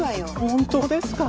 本当ですか？